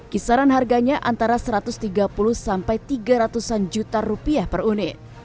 kisaran harganya antara satu ratus tiga puluh sampai tiga ratus an juta rupiah per unit